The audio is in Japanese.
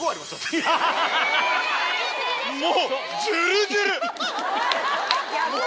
もう。